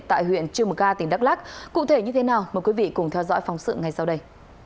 tại huyện trư mờ ga tỉnh đắk lắc cụ thể như thế nào mời quý vị cùng theo dõi phóng sự ngay sau đây